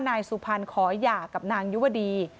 นายสุพรรณขอหย่ากับนางยุวดี